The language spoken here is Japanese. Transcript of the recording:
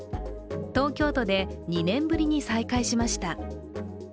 東京都で、２年ぶりに再開しました。